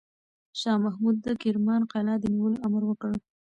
شاه محمود د کرمان قلعه د نیولو امر وکړ.